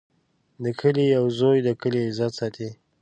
د کلي یو زوی د کلي عزت ساتي.